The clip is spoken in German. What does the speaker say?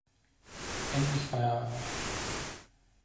Endlich Feierabend!